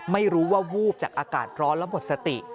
ไม่รู้ว่าวูบจากอากาศร้อนและหมดสติ